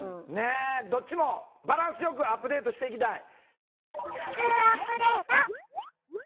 どっちもバランスよくアップデートしていきたい。